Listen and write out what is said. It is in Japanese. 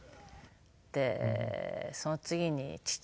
でその次に父。